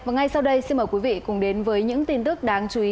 và ngay sau đây xin mời quý vị cùng đến với những tin tức đáng chú ý